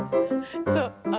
そう。